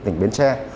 tỉnh biến tre